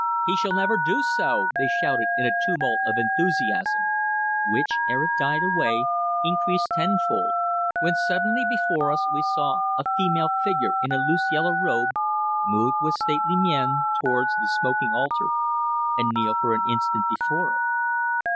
"He shall never do so," they shouted in a tumult of enthusiasm, which, ere it died away, increased tenfold, when suddenly before us we saw a female figure in a loose yellow robe move with stately mien towards the smoking altar and kneel for an instant before it.